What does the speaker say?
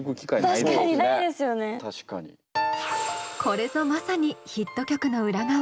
これぞまさにヒット曲の裏側。